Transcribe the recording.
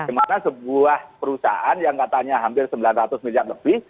dimana sebuah perusahaan yang katanya hampir sembilan ratus miliar lebih